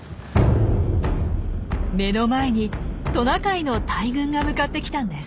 目の前にトナカイの大群が向かってきたんです。